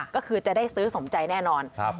ก็คือจะได้ซื้อสมใจแน่นอน